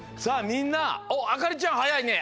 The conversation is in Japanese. みんなあかりちゃんはやいね。